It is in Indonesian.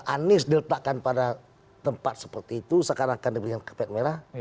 anies diletakkan pada tempat seperti itu sekarang akan diberikan kepet merah